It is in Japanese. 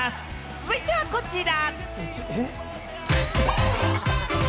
続いてはこちら。